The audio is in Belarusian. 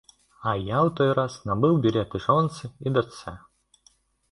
А я ў той раз набыў білеты жонцы і дачцэ.